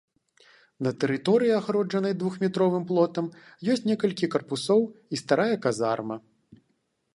На тэрыторыі, агароджанай двухметровым плотам, ёсць некалькі карпусоў і старая казарма.